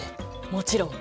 もちろん。